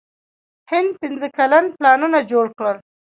هند پنځه کلن پلانونه جوړ کړل.